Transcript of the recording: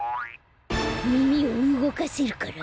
みみをうごかせるから？